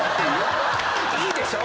いいでしょ！